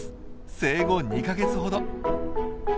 生後２か月ほど。